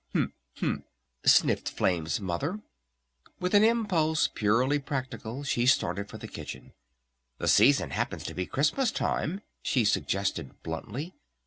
"U m m m," sniffed Flame's Mother. With an impulse purely practical she started for the kitchen. "The season happens to be Christmas time," she suggested bluntly.